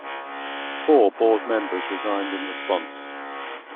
Four board members resigned in response.